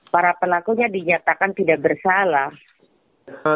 para pelakunya dinyatakan tidak bersalah